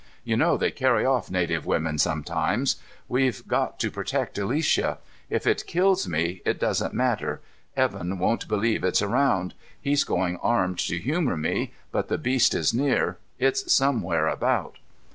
You know they carry off native women sometimes. We've got to protect Alicia. If it kills me, it doesn't matter. Evan won't believe it's around. He's going armed to humor me, but the beast is near; it's somewhere about."